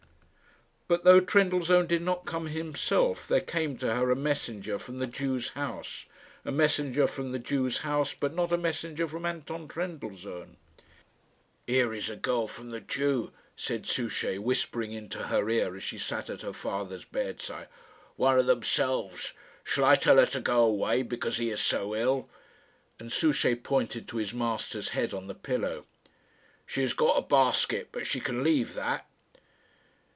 But though Trendellsohn did not come himself, there came to her a messenger from the Jew's house a messenger from the Jew's house, but not a messenger from Anton Trendellsohn. "Here is a girl from the Jew," said Souchey, whispering into her ear as she sat at her father's bedside "one of themselves. Shall I tell her to go away, because he is so ill?" And Souchey pointed to his master's head on the pillow. "She has got a basket, but she can leave that."